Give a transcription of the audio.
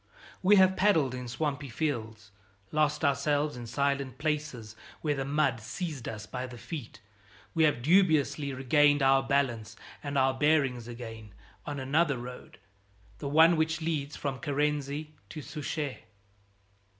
We have paddled in swampy fields, lost ourselves in silent places where the mud seized us by the feet, we have dubiously regained our balance and our bearings again on another road, the one which leads from Carency to Souchez.